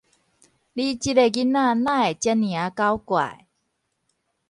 你這个囡仔哪會遮爾仔狡怪！